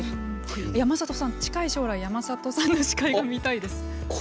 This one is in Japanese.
山里さん近い将来山里さんの司会が見たいです。